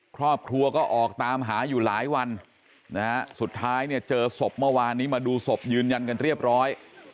ครอบครัวก็ออกตามหาอยู่หลายวันนะฮะสุดท้ายเนี่ยเจอศพเมื่อวานนี้มาดูศพยืนยันกันเรียบร้อย